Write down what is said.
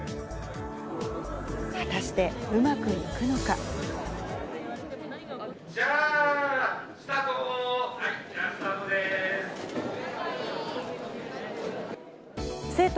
果たして、うまくいくのか。スタート！